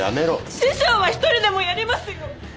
師匠は一人でもやりますよ！